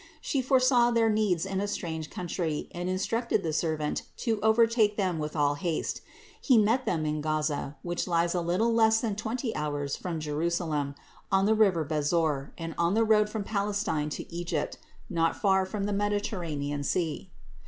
She foresaw their needs in a strange country and instructed the servant to overtake them with all haste. He met them in Gaza, which lies a little less than twenty hours from Jerusalem, on the river Besor, and on the road from Palestine to Egypt, not far from the Mediterranean sea.